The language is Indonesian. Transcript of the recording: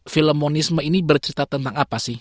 film monisme ini bercerita tentang apa sih